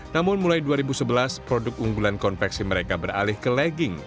namun mulai dua ribu sebelas produk unggulan konveksi mereka beralih ke legging